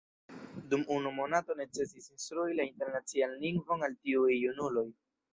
Dum unu monato necesis instrui la Internacian Lingvon al tiuj junuloj.